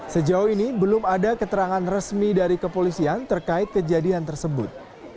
sejauh ini belum ada keterangan resmi dari kepolisian terkait kejadian tersebut